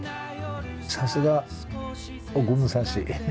さすが奥武蔵。